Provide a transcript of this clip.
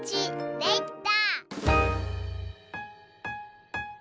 できた！